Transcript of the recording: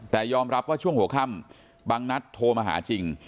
แต่ยอมรับว่าช่วงหัวค่ำบางนัดโทรมาหาจริง